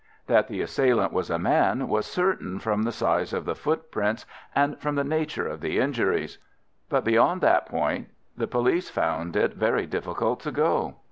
That the assailant was a man was certain, from the size of the footprints and from the nature of the injuries. But beyond that point the police found it very difficult to go.